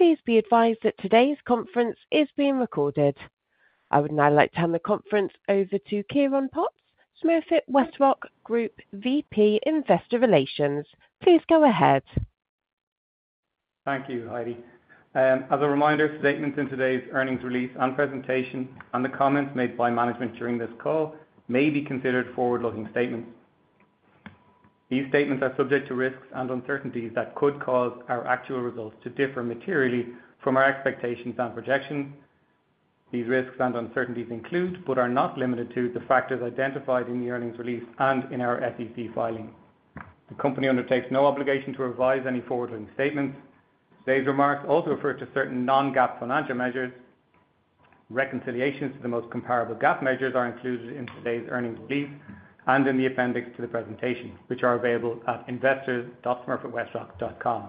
Please be advised that today's conference is being recorded. I would now like to hand the conference over to Ciaran Potts, Smurfit Westrock Group VP Investor Relations. Please go ahead. Thank you, Heidi. As a reminder, statements in today's earnings release and presentation, and the comments made by management during this call, may be considered forward-looking statements. These statements are subject to risks and uncertainties that could cause our actual results to differ materially from our expectations and projections. These risks and uncertainties include, but are not limited to, the factors identified in the earnings release and in our SEC filing. The company undertakes no obligation to revise any forward-looking statements. Today's remarks also refer to certain non-GAAP financial measures. Reconciliations to the most comparable GAAP measures are included in today's earnings release and in the appendix to the presentation, which are available at investors.smurfitwestrock.com.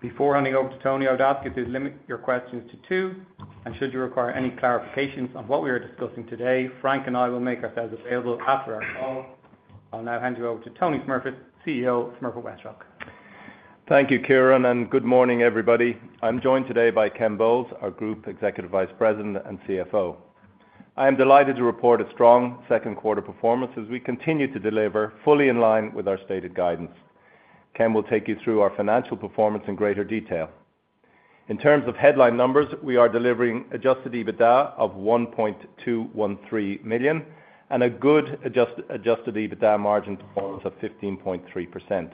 Before handing over to Tony, I would ask you to limit your questions to two, and should you require any clarifications on what we are discussing today, Frank and I will make ourselves available after our call. I'll now hand you over to Tony Smurfit, CEO of Smurfit Westrock. Thank you, Ciaran, and good morning, everybody. I'm joined today by Ken Bowles, our Group Executive Vice President and CFO. I am delighted to report a strong second-quarter performance as we continue to deliver fully in line with our stated guidance. Ken will take you through our financial performance in greater detail. In terms of headline numbers, we are delivering adjusted EBITDA of $1.213 million and a good adjusted EBITDA margin performance of 15.3%.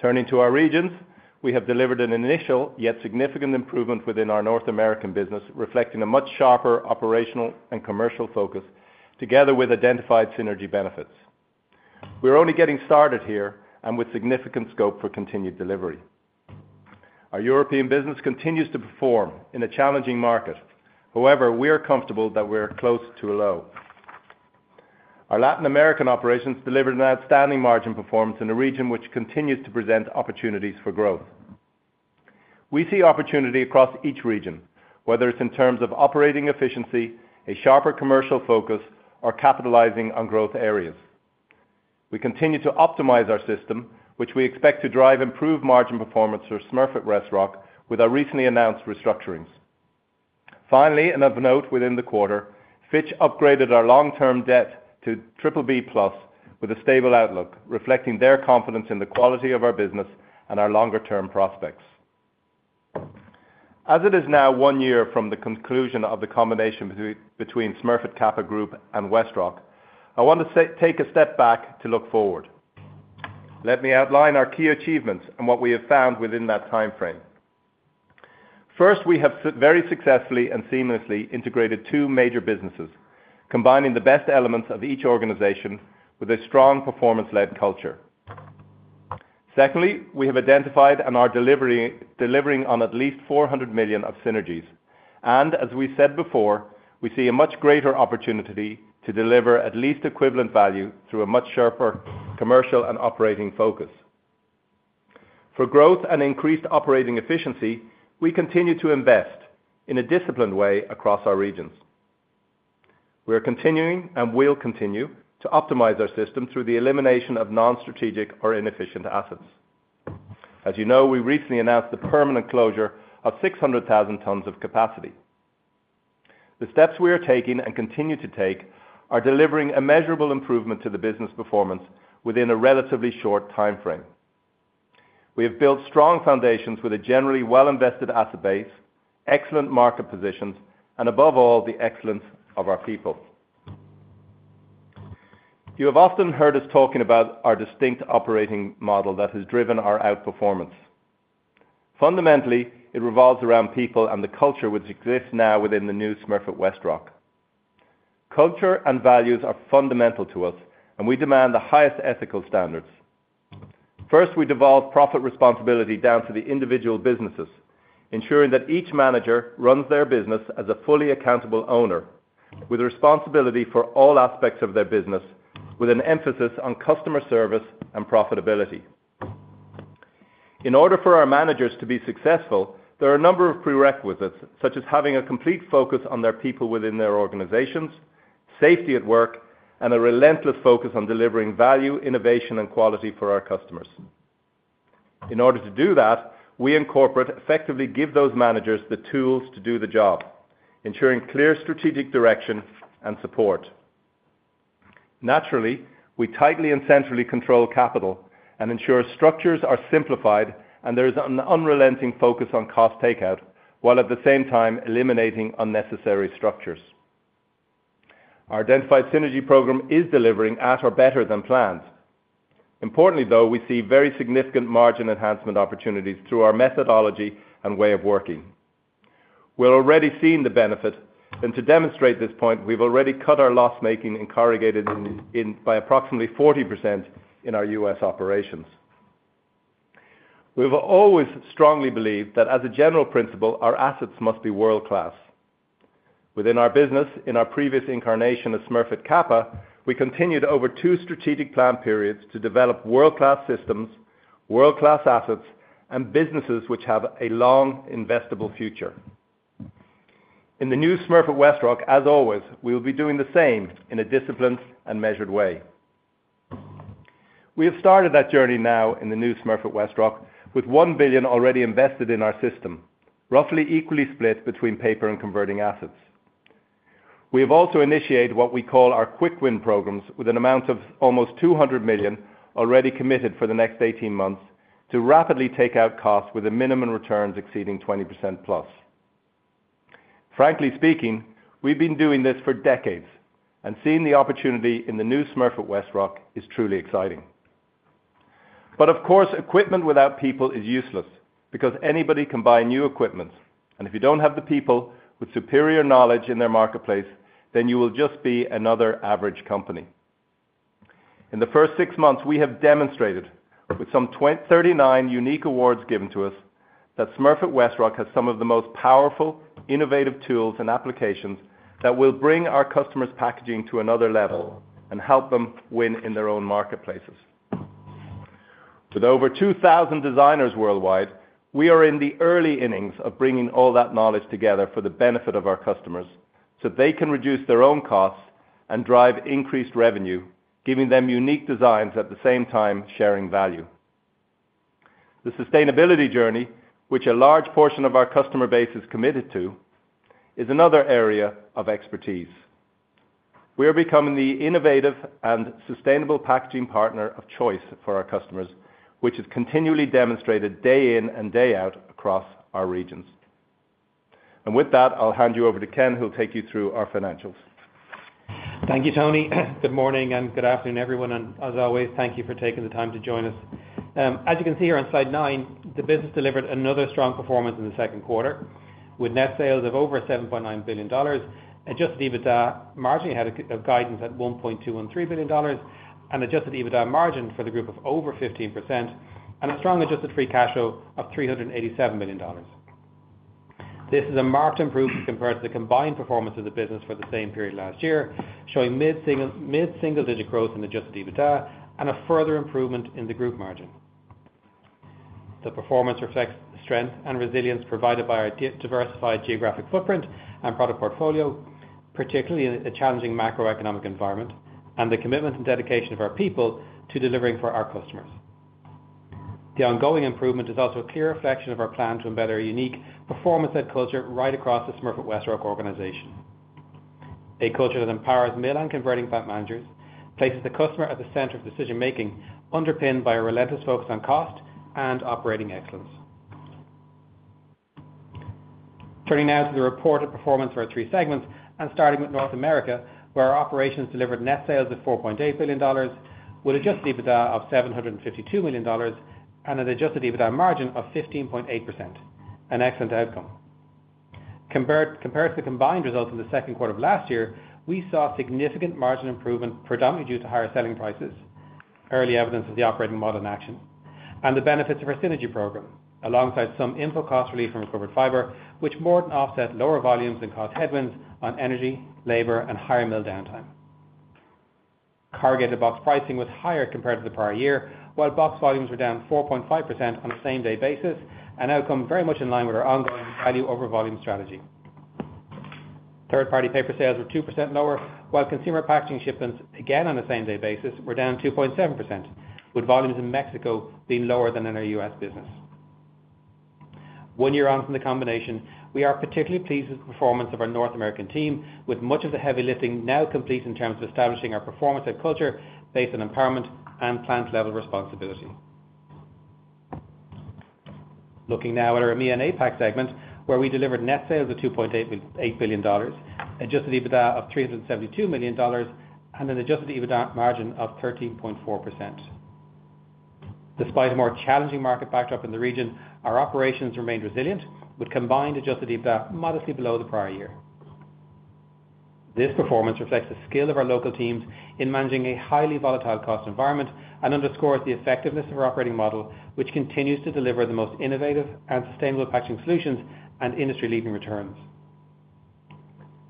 Turning to our regions, we have delivered an initial yet significant improvement within our North American business, reflecting a much sharper operational and commercial focus, together with identified synergy benefits. We're only getting started here and with significant scope for continued delivery. Our European business continues to perform in a challenging market. However, we are comfortable that we're close to a low. Our Latin American operations delivered an outstanding margin performance in a region which continues to present opportunities for growth. We see opportunity across each region, whether it's in terms of operating efficiency, a sharper commercial focus, or capitalizing on growth areas. We continue to optimize our system, which we expect to drive improved margin performance for Smurfit Westrock with our recently announced restructurings. Finally, and of note within the quarter, Fitch upgraded our long-term debt to BBB+ with a stable outlook, reflecting their confidence in the quality of our business and our longer-term prospects. As it is now one year from the conclusion of the combination between Smurfit Kappa Group and WestRock, I want to take a step back to look forward. Let me outline our key achievements and what we have found within that timeframe. First, we have very successfully and seamlessly integrated two major businesses, combining the best elements of each organization with a strong performance-led culture. Secondly, we have identified and are delivering on at least $400 million of synergies. As we said before, we see a much greater opportunity to deliver at least equivalent value through a much sharper commercial and operating focus. For growth and increased operating efficiency, we continue to invest in a disciplined way across our regions. We are continuing and will continue to optimize our system through the elimination of non-strategic or inefficient assets. As you know, we recently announced the permanent closure of 600,000 tons of capacity. The steps we are taking and continue to take are delivering a measurable improvement to the business performance within a relatively short timeframe. We have built strong foundations with a generally well-invested asset base, excellent market positions, and above all, the excellence of our people. You have often heard us talking about our distinct operating model that has driven our outperformance. Fundamentally, it revolves around people and the culture which exists now within the new Smurfit Westrock. Culture and values are fundamental to us, and we demand the highest ethical standards. First, we devolve profit responsibility down to the individual businesses, ensuring that each manager runs their business as a fully accountable owner with responsibility for all aspects of their business, with an emphasis on customer service and profitability. In order for our managers to be successful, there are a number of prerequisites, such as having a complete focus on their people within their organizations, safety at work, and a relentless focus on delivering value, innovation, and quality for our customers. In order to do that, we effectively give those managers the tools to do the job, ensuring clear strategic direction and support. Naturally, we tightly and centrally control capital and ensure structures are simplified, and there is an unrelenting focus on cost takeout, while at the same time eliminating unnecessary structures. Our identified synergy program is delivering at or better than planned. Importantly, though, we see very significant margin enhancement opportunities through our methodology and way of working. We're already seeing the benefit, and to demonstrate this point, we've already cut our loss-making and corrugated by approximately 40% in our U.S. operations. We've always strongly believed that as a general principle, our assets must be world-class. Within our business, in our previous incarnation of Smurfit Kappa, we continued over two strategic plan periods to develop world-class systems, world-class assets, and businesses which have a long investable future. In the new Smurfit Westrock, as always, we will be doing the same in a disciplined and measured way. We have started that journey now in the new Smurfit Westrock with $1 billion already invested in our system, roughly equally split between paper and converting assets. We have also initiated what we call our quick win programs with an amount of almost $200 million already committed for the next 18 months to rapidly take out costs with minimum returns exceeding 20% plus. Frankly speaking, we've been doing this for decades and seeing the opportunity in the new Smurfit Westrock is truly exciting. Equipment without people is useless because anybody can buy new equipment, and if you don't have the people with superior knowledge in their marketplace, then you will just be another average company. In the first six months, we have demonstrated with some 39 unique awards given to us that Smurfit Westrock has some of the most powerful, innovative tools and applications that will bring our customers' packaging to another level and help them win in their own marketplaces. With over 2,000 designers worldwide, we are in the early innings of bringing all that knowledge together for the benefit of our customers so they can reduce their own costs and drive increased revenue, giving them unique designs at the same time sharing value. The sustainability journey, which a large portion of our customer base is committed to, is another area of expertise. We are becoming the innovative and sustainable packaging partner of choice for our customers, which has continually demonstrated day in and day out across our regions. With that, I'll hand you over to Ken, who'll take you through our financials. Thank you, Tony. Good morning and good afternoon, everyone. As always, thank you for taking the time to join us. As you can see here on slide nine, the business delivered another strong performance in the second quarter with net sales of over $7.9 billion. Adjusted EBITDA was $1.213 billion and adjusted EBITDA margin for the group of over 15%, and a strong adjusted free cash flow of $387 million. This is a marked improvement compared to the combined performance of the business for the same period last year, showing mid-single digit growth in adjusted EBITDA and a further improvement in the group margin. The performance reflects the strength and resilience provided by our diversified geographic footprint and product portfolio, particularly in a challenging macroeconomic environment, and the commitment and dedication of our people to delivering for our customers. The ongoing improvement is also a clear reflection of our plan to embed a unique performance and culture right across the Smurfit Westrock organization. A culture that empowers mill and converting plant managers, places the customer at the center of decision-making, underpinned by a relentless focus on cost and operating excellence. Turning now to the reported performance for our three segments and starting with North America, where our operations delivered net sales of $4.8 billion, with adjusted EBITDA of $752 million, and an adjusted EBITDA margin of 15.8%, an excellent outcome. Compared to the combined results in the second quarter of last year, we saw significant margin improvement, predominantly due to higher selling prices, early evidence of the operating model in action, and the benefits of our synergy program, alongside some input cost relief from recovered fiber, which more than offset lower volumes and cost headwinds on energy, labor, and higher mill downtime. Corrugated box pricing was higher compared to the prior year, while box volumes were down 4.5% on a same-day basis, an outcome very much in line with our ongoing value over volume strategy. Third-party paper sales were 2% lower, while consumer packaging shipments, again on a same-day basis, were down 2.7%, with volumes in Mexico being lower than in our U.S. business. One year on from the combination, we are particularly pleased with the performance of our North American team, with much of the heavy lifting now complete in terms of establishing our performance and culture based on empowerment and plant-level responsibility. Looking now at our EMEA and APAC segment, where we delivered net sales of $2.8 billion, adjusted EBITDA of $372 million, and an adjusted EBITDA margin of 13.4%. Despite a more challenging market backdrop in the region, our operations remained resilient, with combined adjusted EBITDA modestly below the prior year. This performance reflects the skill of our local teams in managing a highly volatile cost environment and underscores the effectiveness of our operating model, which continues to deliver the most innovative and sustainable packaging solutions and industry-leading returns.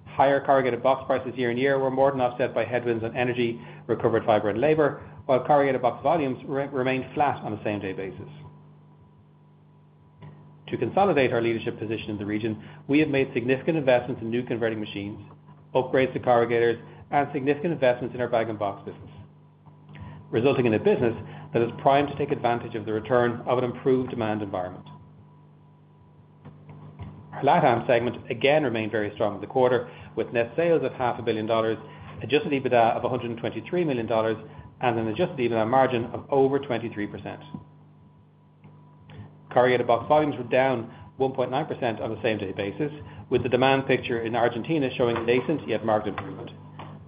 Higher corrugated box prices year-on-year were more than offset by headwinds on energy, recovered fiber, and labor, while corrugated box volumes remained flat on a same-day basis. To consolidate our leadership position in the region, we have made significant investments in new converting machines, upgrades to corrugators, and significant investments in our bag and box business, resulting in a business that is primed to take advantage of the return of an improved demand environment. Our LATAM segment again remained very strong in the quarter, with net sales of $500,000,000, adjusted EBITDA of $123 million, and an adjusted EBITDA margin of over 23%. Corrugated box volumes were down 1.9% on a same-day basis, with the demand picture in Argentina showing nascent yet marked improvement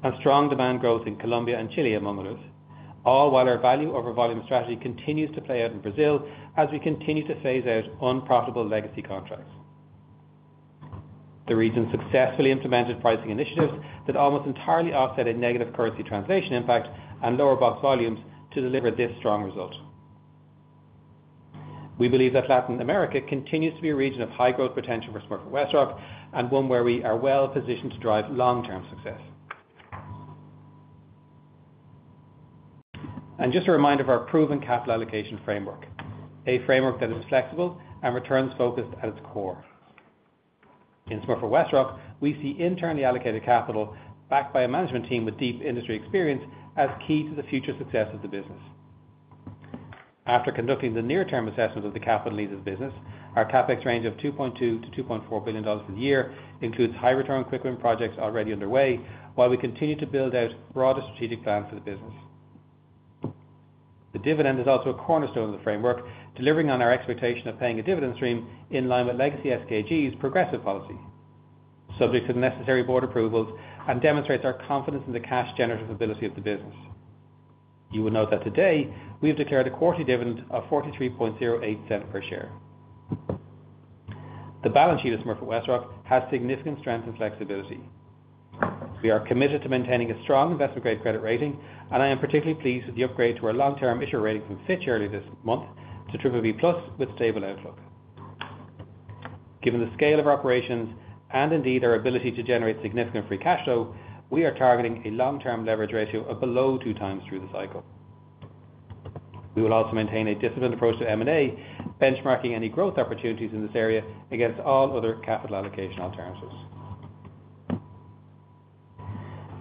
and strong demand growth in Colombia and Chile among others, all while our value over volume strategy continues to play out in Brazil as we continue to phase out unprofitable legacy contracts. The region successfully implemented pricing initiatives that almost entirely offset a negative currency translation impact and lower box volumes to deliver this strong result. We believe that Latin America continues to be a region of high growth potential for Smurfit Westrock and one where we are well positioned to drive long-term success. Just a reminder of our proven capital allocation framework, a framework that is flexible and returns focused at its core. In Smurfit Westrock, we see internally allocated capital backed by a management team with deep industry experience as key to the future success of the business. After conducting the near-term assessment of the capital needs of the business, our CapEx range of $2.2 billion-$2.4 billion per year includes high-return quick-win projects already underway, while we continue to build out broader strategic plans for the business. The dividend is also a cornerstone of the framework, delivering on our expectation of paying a dividend stream in line with legacy SKG's progressive policy, subject to the necessary board approvals, and demonstrates our confidence in the cash-generative ability of the business. You will note that today we have declared a quarterly dividend of $0.4308 per share. The balance sheet of Smurfit Westrock has significant strength and flexibility. We are committed to maintaining a strong investment-grade credit rating, and I am particularly pleased with the upgrade to our long-term issuer rating from Fitch earlier this month to BBB+ with stable outlook. Given the scale of our operations and indeed our ability to generate significant free cash flow, we are targeting a long-term leverage ratio of below 2x through the cycle. We will also maintain a disciplined approach to M&A, benchmarking any growth opportunities in this area against all other capital allocation alternatives.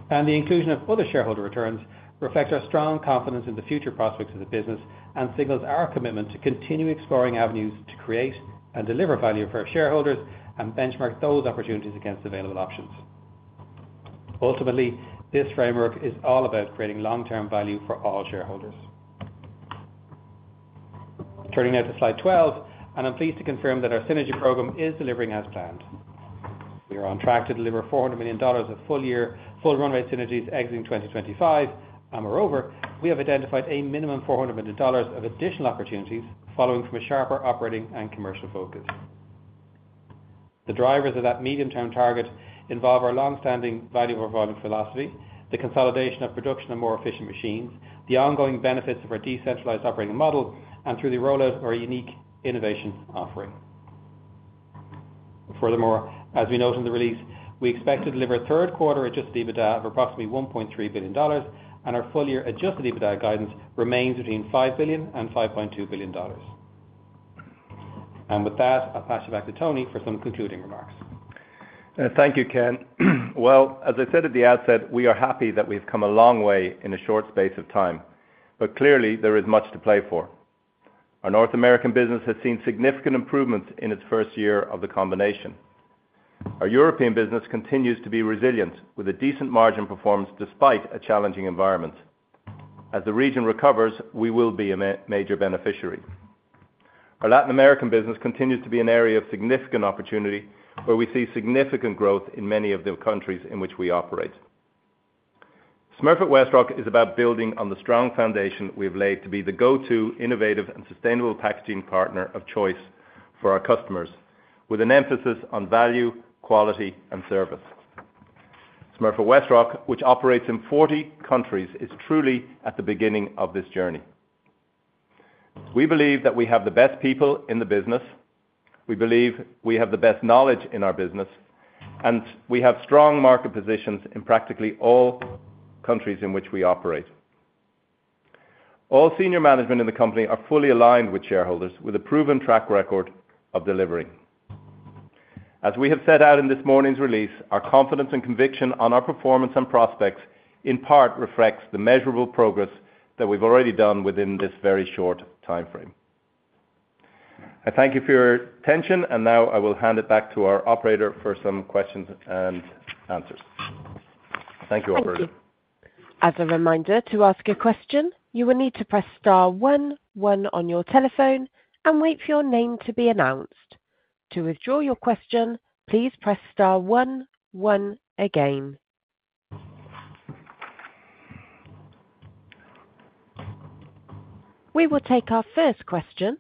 The inclusion of other shareholder returns reflects our strong confidence in the future prospects of the business and signals our commitment to continue exploring avenues to create and deliver value for our shareholders and benchmark those opportunities against available options. Ultimately, this framework is all about creating long-term value for all shareholders. Turning now to slide 12, and I'm pleased to confirm that our synergy program is delivering as planned. We are on track to deliver $400 million of full-year, full-run-rate synergies exiting 2025, and moreover, we have identified a minimum of $400 million of additional opportunities following from a sharper operating and commercial focus. The drivers of that medium-term target involve our long-standing value over volume philosophy, the consolidation of production and more efficient machines, the ongoing benefits of our decentralized operating model, and through the rollout of our unique innovation offering. Furthermore, as we note in the release, we expect to deliver third-quarter adjusted EBITDA of approximately $1.3 billion, and our full-year adjusted EBITDA guidance remains between $5 billion and $5.2 billion. I'll pass it back to Tony for some concluding remarks. Thank you, Ken. As I said at the outset, we are happy that we have come a long way in a short space of time, but clearly, there is much to play for. Our North American business has seen significant improvements in its first year of the combination. Our European business continues to be resilient with a decent margin performance despite a challenging environment. As the region recovers, we will be a major beneficiary. Our Latin American business continues to be an area of significant opportunity where we see significant growth in many of the countries in which we operate. Smurfit Westrock is about building on the strong foundation we have laid to be the go-to innovative and sustainable packaging partner of choice for our customers, with an emphasis on value, quality, and service. Smurfit Westrock, which operates in 40 countries, is truly at the beginning of this journey. We believe that we have the best people in the business. We believe we have the best knowledge in our business, and we have strong market positions in practically all countries in which we operate. All senior management in the company are fully aligned with shareholders with a proven track record of delivering. As we have said out in this morning's release, our confidence and conviction on our performance and prospects in part reflects the measurable progress that we've already done within this very short timeframe. I thank you for your attention, and now I will hand it back to our operator for some questions and answers. Thank you all very much. Thank you. As a reminder, to ask a question, you will need to press star one one on your telephone and wait for your name to be announced. To withdraw your question, please press star one one again. We will take our first question,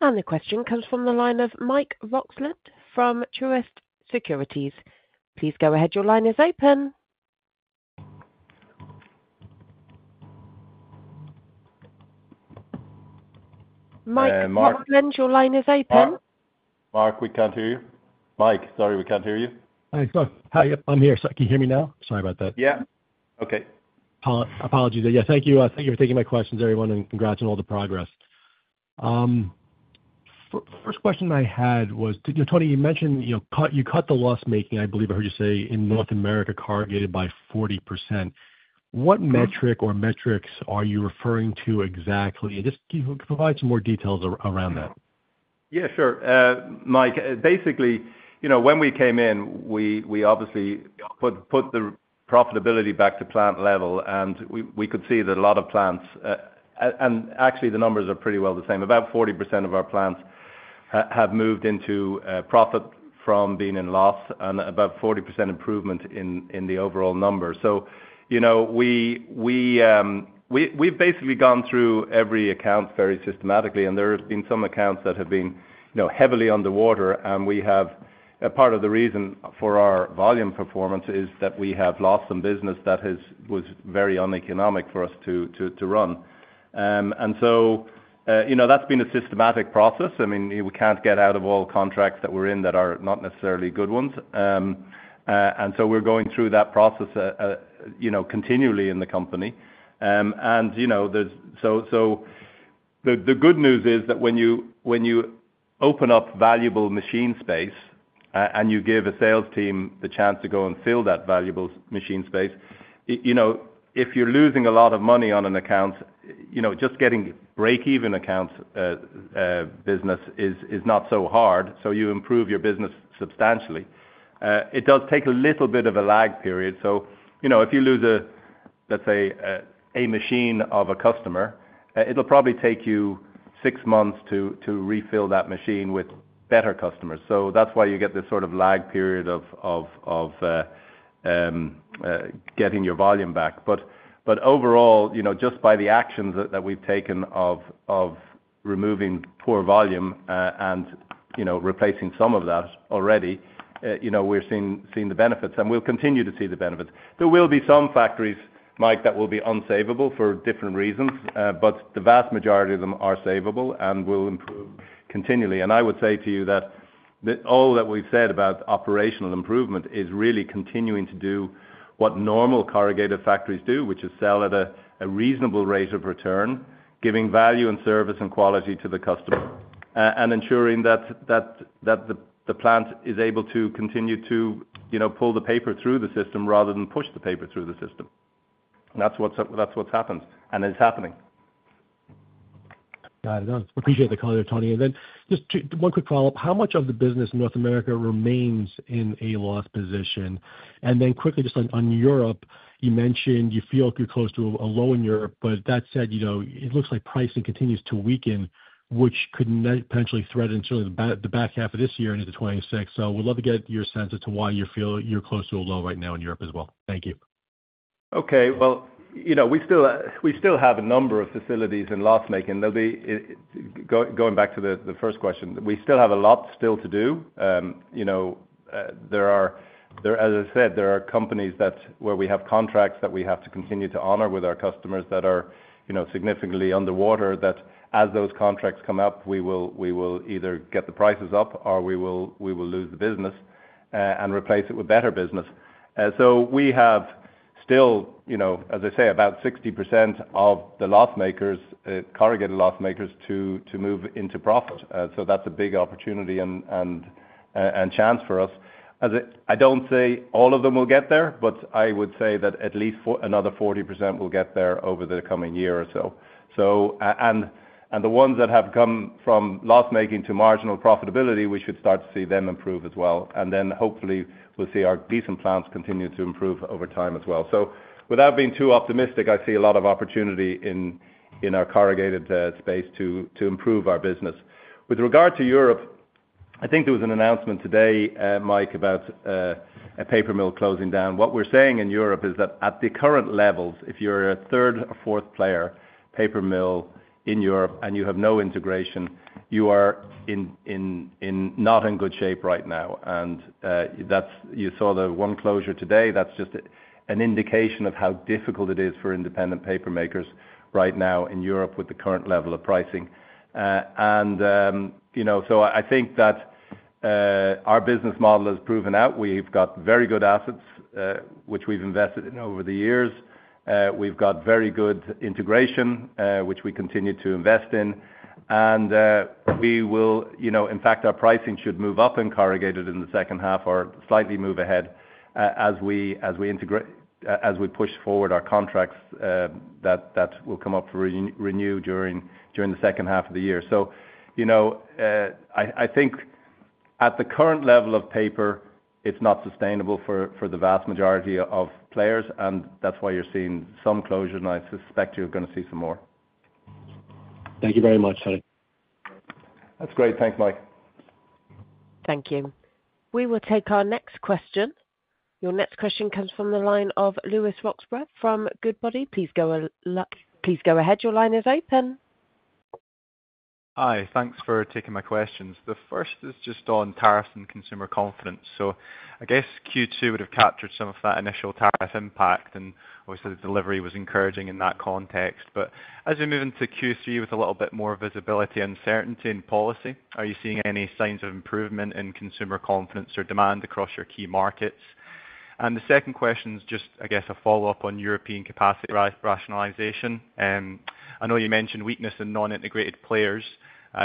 and the question comes from the line of Mike Roxlett from Truist Securities. Please go ahead. Your line is open. Mike, your line is open. Mark, we can't hear you. Mike, sorry, we can't hear you. Can hear me now. Sorry about that. Yeah. Okay. Apologies. Yeah, thank you. Thank you for taking my questions, everyone, and congrats on all the progress. First question I had was, Tony, you mentioned you cut the loss-making, I believe I heard you say, in North America corrugated by 40%. What metric or metrics are you referring to exactly? Just can you provide some more details around that? Yeah, sure. Mike, basically, when we came in, we obviously put the profitability back to plant level, and we could see that a lot of plants—and actually, the numbers are pretty well the same—about 40% of our plants have moved into profit from being in loss and about 40% improvement in the overall number. We have basically gone through every account very systematically, and there have been some accounts that have been heavily underwater. Part of the reason for our volume performance is that we have lost some business that was very uneconomic for us to run. That has been a systematic process. I mean, we cannot get out of all contracts that we are in that are not necessarily good ones. We are going through that process continually in the company. The good news is that when you open up valuable machine space and you give a sales team the chance to go and fill that valuable machine space, if you are losing a lot of money on an account, just getting break-even accounts, business is not so hard, so you improve your business substantially. It does take a little bit of a lag period. If you lose, let's say, a machine of a customer, it will probably take you six months to refill that machine with better customers. That is why you get this sort of lag period of getting your volume back. Overall, just by the actions that we have taken of removing poor volume and replacing some of that already, we are seeing the benefits, and we will continue to see the benefits. There will be some factories, Mike, that will be unsavable for different reasons, but the vast majority of them are savable and will improve continually. I would say to you that all that we have said about operational improvement is really continuing to do what normal corrugated factories do, which is sell at a reasonable rate of return, giving value and service and quality to the customer, and ensuring that the plant is able to continue to pull the paper through the system rather than push the paper through the system. That is what has happened, and it is happening. Got it. I appreciate the color, Tony. Just one quick follow-up. How much of the business in North America remains in a loss position? Quickly, just on Europe, you mentioned you feel like you are close to a low in Europe, but that said, it looks like pricing continues to weaken, which could potentially threaten certainly the back half of this year into 2026. We would love to get your sense as to why you are close to a low right now in Europe as well. Thank you. Okay. We still have a number of facilities in loss-making. Going back to the first question, we still have a lot still to do. As I said, there are companies where we have contracts that we have to continue to honor with our customers that are significantly underwater that, as those contracts come up, we will either get the prices up or we will lose the business and replace it with better business. We have still, as I say, about 60% of the loss-makers, corrugated loss-makers, to move into profit. That's a big opportunity and chance for us. I don't say all of them will get there, but I would say that at least another 40% will get there over the coming year or so. The ones that have come from loss-making to marginal profitability, we should start to see them improve as well. Hopefully, we'll see our decent plants continue to improve over time as well. Without being too optimistic, I see a lot of opportunity in our corrugated space to improve our business. With regard to Europe, I think there was an announcement today, Mike, about a paper mill closing down. What we're saying in Europe is that at the current levels, if you're a third or fourth player paper mill in Europe and you have no integration, you are not in good shape right now. You saw the one closure today. That's just an indication of how difficult it is for independent paper makers right now in Europe with the current level of pricing. I think that our business model has proven out. We've got very good assets, which we've invested in over the years. We've got very good integration, which we continue to invest in. In fact, our pricing should move up in corrugated in the second half or slightly move ahead as we push forward our contracts that will come up for renew during the second half of the year. I think at the current level of paper, it's not sustainable for the vast majority of players, and that's why you're seeing some closures, and I suspect you're going to see some more. Thank you very much, Tony. That's great. Thanks, Mike. Thank you. We will take our next question. Your next question comes from the line of Lewis Roxburgh from Goodbody. Please go ahead. Your line is open. Hi. Thanks for taking my questions. The first is just on tariffs and consumer confidence. I guess Q2 would have captured some of that initial tariff impact, and obviously, the delivery was encouraging in that context. As we move into Q3 with a little bit more visibility and certainty in policy, are you seeing any signs of improvement in consumer confidence or demand across your key markets? The second question is just, I guess, a follow-up on European capacity rationalization. I know you mentioned weakness in non-integrated players.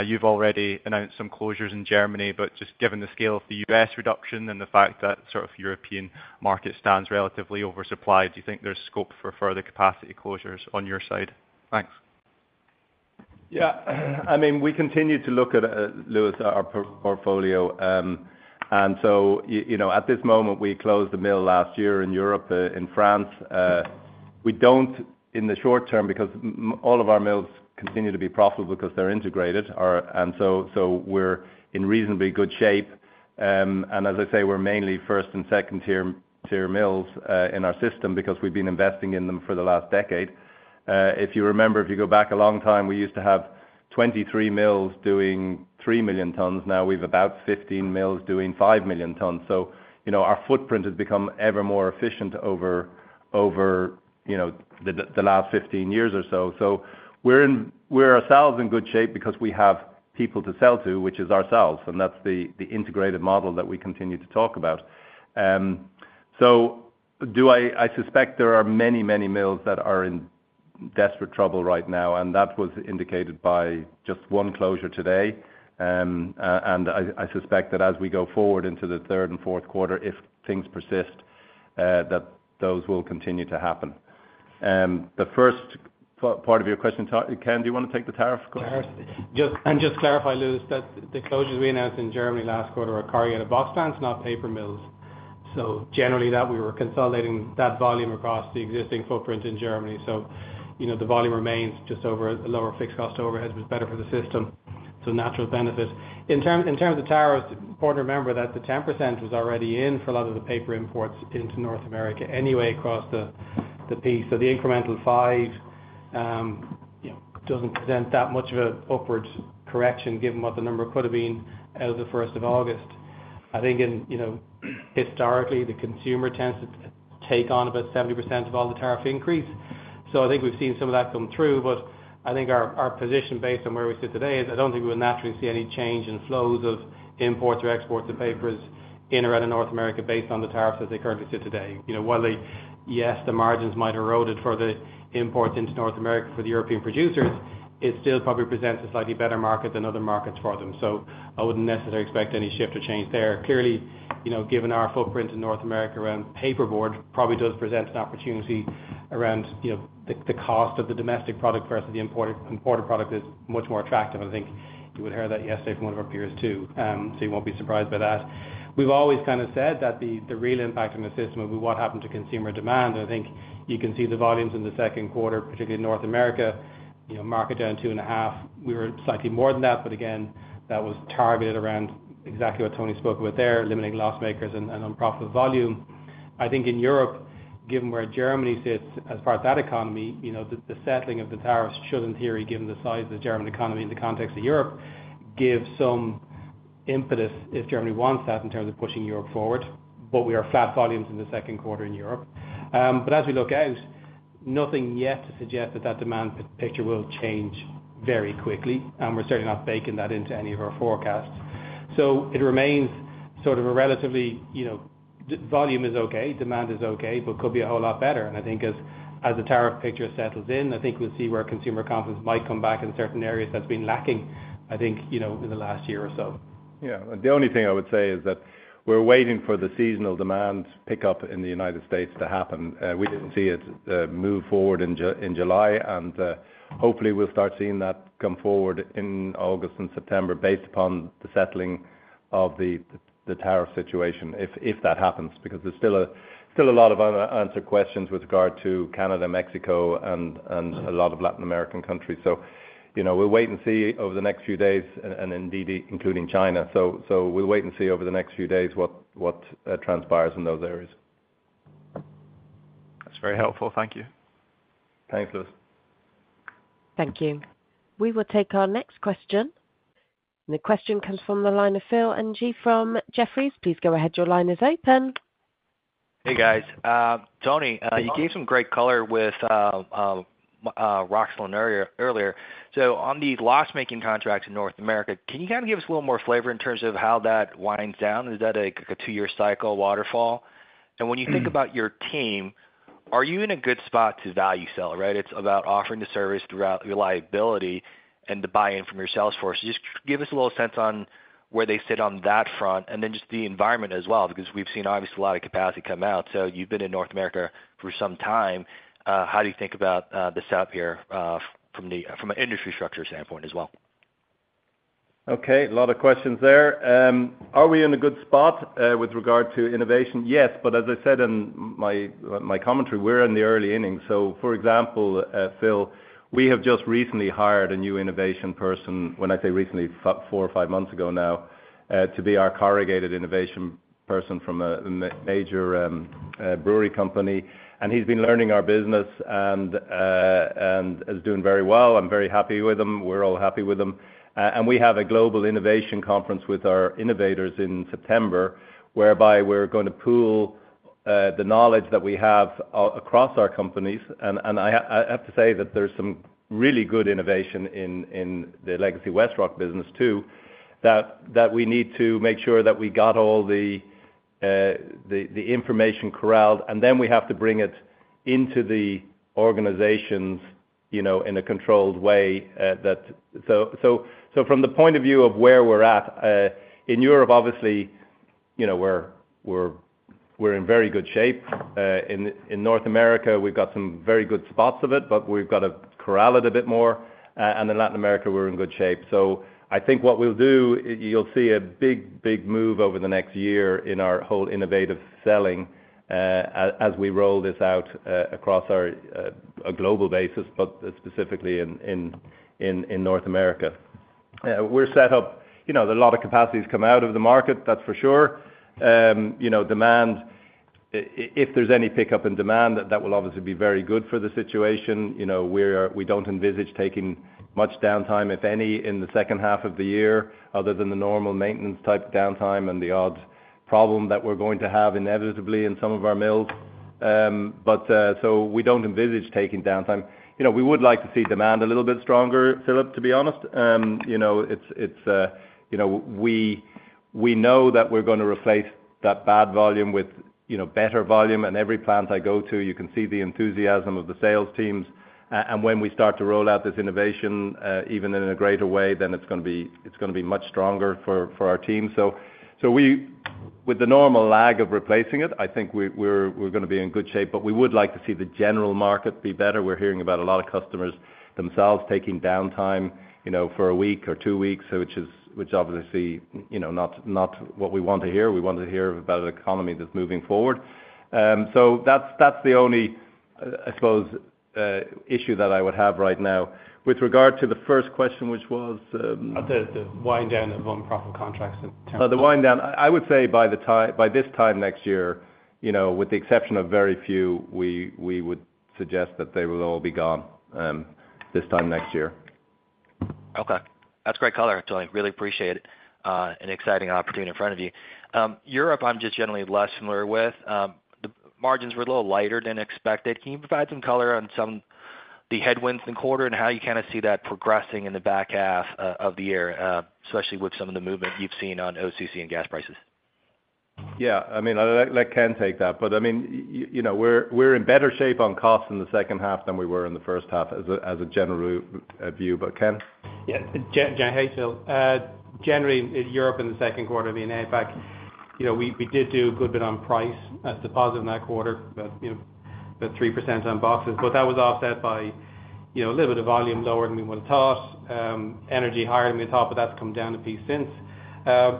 You have already announced some closures in Germany, but just given the scale of the U.S. reduction and the fact that the European market stands relatively oversupplied, do you think there is scope for further capacity closures on your side? Thanks. Yeah. I mean, we continue to look at, Lewis, our portfolio. At this moment, we closed the mill last year in Europe, in France. We do not, in the short term, because all of our mills continue to be profitable because they are integrated, and we are in reasonably good shape. I mean, we are mainly first and second-tier mills in our system because we have been investing in them for the last decade. If you remember, if you go back a long time, we used to have 23 mills doing 3 million tons. Now we have about 15 mills doing 5 million tons. Our footprint has become ever more efficient over the last 15 years or so. We are ourselves in good shape because we have people to sell to, which is ourselves. That is the integrated model that we continue to talk about. I suspect there are many, many mills that are in desperate trouble right now, and that was indicated by just one closure today. I suspect that as we go forward into the third and fourth quarter, if things persist, those will continue to happen. The first part of your question, Ken, do you want to take the tariff question? Just to clarify, Lewis, the closures we announced in Germany last quarter are corrugated box plants, not paper mills. Generally, we were consolidating that volume across the existing footprint in Germany. The volume remains, just over a lower fixed cost overhead, which was better for the system, so a natural benefit. In terms of tariffs, it is important to remember that the 10% was already in for a lot of the paper imports into North America anyway across the piece. The incremental 5% does not present that much of an upward correction given what the number could have been as of the 1st of August. Historically, the consumer tends to take on about 70% of all the tariff increase. We have seen some of that come through, but our position based on where we sit today is that we would not naturally see any change in flows of imports or exports of papers in or out of North America based on the tariffs as they currently sit today. While, yes, the margins might have eroded for the imports into North America for the European producers, it still probably presents a slightly better market than other markets for them. I would not necessarily expect any shift or change there. Clearly, given our footprint in North America around paperboard, it probably does present an opportunity. The cost of the domestic product versus the imported product is much more attractive. You would have heard that yesterday from one of our peers too, so you will not be surprised by that. We have always kind of said that the real impact on the system would be what happened to consumer demand. You can see the volumes in the second quarter, particularly in North America, market down 2.5%. We were slightly more than that, but again, that was targeted around exactly what Tony spoke about there, limiting loss-makers and unprofitable volume. In Europe, given where Germany sits as far as that economy, the settling of the tariffs should, in theory, given the size of the German economy in the context of Europe, give some impetus if Germany wants that in terms of pushing Europe forward. We are flat volumes in the second quarter in Europe. As we look out, nothing yet to suggest that the demand picture will change very quickly, and we are certainly not baking that into any of our forecasts. It remains sort of a relatively steady situation. Volume is okay, demand is okay, but could be a whole lot better. As the tariff picture settles in, we will see where consumer confidence might come back in certain areas that has been lacking in the last year or so. Yeah. The only thing I would say is that we're waiting for the seasonal demand pickup in the United States to happen. We didn't see it move forward in July, and hopefully, we'll start seeing that come forward in August and September based upon the settling of the tariff situation if that happens, because there's still a lot of unanswered questions with regard to Canada, Mexico, and a lot of Latin American countries. We'll wait and see over the next few days, and indeed, including China. We'll wait and see over the next few days what transpires in those areas. That's very helpful. Thank you. Thanks, Lewis. Thank you. We will take our next question. The question comes from the line of Phil Ng from Jefferies. Please go ahead. Your line is open. Hey, guys. Tony, you gave some great color with Roxburgh earlier. On the loss-making contracts in North America, can you kind of give us a little more flavor in terms of how that winds down? Is that a two-year cycle waterfall? When you think about your team, are you in a good spot to value sell, right? It's about offering the service throughout your liability and the buy-in from your sales force. Just give us a little sense on where they sit on that front, and then just the environment as well, because we've seen obviously a lot of capacity come out. You've been in North America for some time. How do you think about the setup here from an infrastructure standpoint as well? Okay. A lot of questions there. Are we in a good spot with regard to innovation? Yes. But as I said in my commentary, we're in the early innings. For example, Phil, we have just recently hired a new innovation person. When I say recently, four or five months ago now, to be our corrugated innovation person from a major brewery company. He's been learning our business and is doing very well. I'm very happy with him. We're all happy with him. We have a global innovation conference with our innovators in September, whereby we're going to pool the knowledge that we have across our companies. I have to say that there's some really good innovation in the legacy WestRock business too, that we need to make sure that we got all the information corralled, and then we have to bring it into the organizations in a controlled way. From the point of view of where we're at, in Europe, obviously we're in very good shape. In North America, we've got some very good spots of it, but we've got to corral it a bit more. In Latin America, we're in good shape. I think what we'll do, you'll see a big, big move over the next year in our whole innovative selling as we roll this out across a global basis, but specifically in North America. We're set up. A lot of capacity has come out of the market, that's for sure. Demand, if there's any pickup in demand, that will obviously be very good for the situation. We don't envisage taking much downtime, if any, in the second half of the year, other than the normal maintenance type downtime and the odd problem that we're going to have inevitably in some of our mills. We don't envisage taking downtime. We would like to see demand a little bit stronger, Philip, to be honest. We know that we're going to replace that bad volume with better volume. Every plant I go to, you can see the enthusiasm of the sales teams. When we start to roll out this innovation, even in a greater way, then it's going to be much stronger for our team. With the normal lag of replacing it, I think we're going to be in good shape, but we would like to see the general market be better. We're hearing about a lot of customers themselves taking downtime for a week or two weeks, which is obviously not what we want to hear. We want to hear about an economy that's moving forward. That's the only, I suppose, issue that I would have right now. With regard to the first question, which was. The wind down of unprofitable contracts in terms of. The wind down, I would say by this time next year, with the exception of very few, we would suggest that they will all be gone this time next year. Okay. That's great color, Tony. Really appreciate it. An exciting opportunity in front of you. Europe, I'm just generally less familiar with. The margins were a little lighter than expected. Can you provide some color on some of the headwinds in the quarter and how you kind of see that progressing in the back half of the year, especially with some of the movement you've seen on OCC and gas prices? Yeah. I mean, I'll let Ken take that. I mean, we're in better shape on cost in the second half than we were in the first half as a general view, but Ken. Generally, Europe in the second quarter being aimed back. We did do a good bit on price. That's deposited in that quarter, about 3% on boxes. That was offset by a little bit of volume lower than we were taught. Energy higher than we were taught, but that's come down a piece since.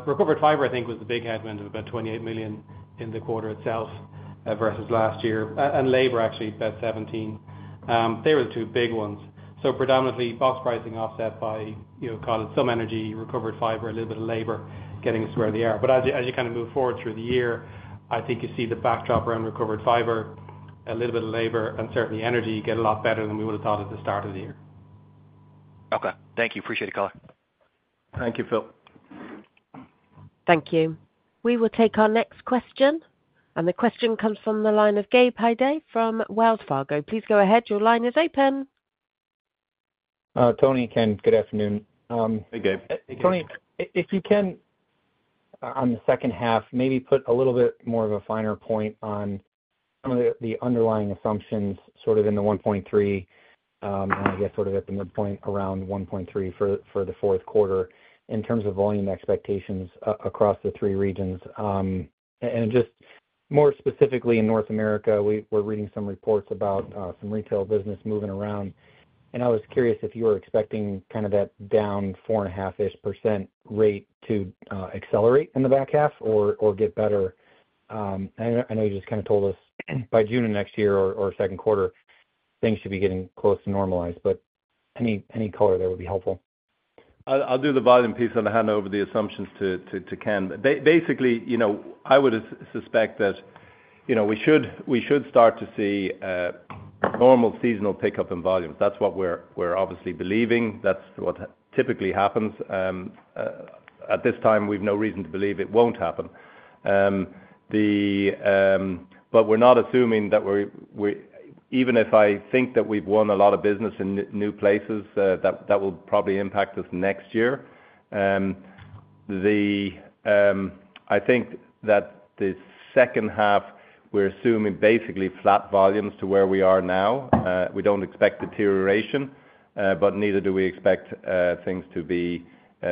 Recovered fiber, I think, was the big headwind of about $28 million in the quarter itself versus last year. Labor, actually, about $17 million. They were the two big ones. Predominantly box pricing offset by some energy, recovered fiber, a little bit of labor getting us where we are. As you kind of move forward through the year, I think you see the backdrop around recovered fiber, a little bit of labor, and certainly energy get a lot better than we would have thought at the start of the year. Okay. Thank you. Appreciate the color. Thank you, Phil. Thank you. We will take our next question. The question comes from the line of Gabe Hajde from Wells Fargo. Please go ahead. Your line is open. Tony, Ken, good afternoon. Tony, if you can. On the second half, maybe put a little bit more of a finer point on. Some of the underlying assumptions sort of in the 1.3. And I guess sort of at the midpoint around 1.3 for the fourth quarter in terms of volume expectations across the three regions. Just more specifically in North America, we're reading some reports about some retail business moving around. I was curious if you were expecting kind of that down 4.5%-ish rate to accelerate in the back half or get better. I know you just kind of told us by June of next year or second quarter, things should be getting close to normalized, but any color there would be helpful. I'll do the volume piece and hand over the assumptions to Ken. Basically, I would suspect that we should start to see normal seasonal pickup in volumes. That's what we're obviously believing. That's what typically happens. At this time, we've no reason to believe it won't happen. We're not assuming that. Even if I think that we've won a lot of business in new places, that will probably impact us next year. I think that the second half, we're assuming basically flat volumes to where we are now. We don't expect deterioration, but neither do we expect things to be